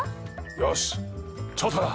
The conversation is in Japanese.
よし調査だ。